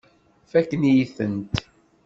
Fakken-iyi-tent.